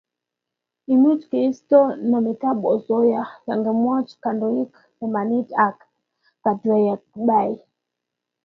Imuch keisto nametab osoya yengemwoch kandoik imanit ak katuiyetabkei